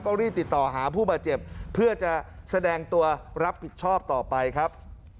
ก็รีบติดต่อหาผู้บาดเจ็บเพื่อจะแสดงตัวรับผิดชอบต่อไปครับ